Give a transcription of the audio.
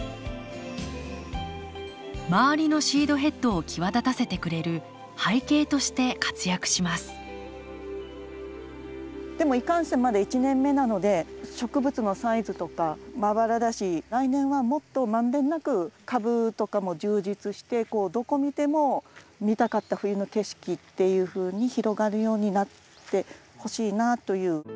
周りのシードヘッドを際立たせてくれる背景として活躍しますでもいかんせんまだ１年目なので植物のサイズとかまばらだし来年はもっと満遍なく株とかも充実してどこ見ても見たかった冬の景色っていうふうに広がるようになってほしいなぁという。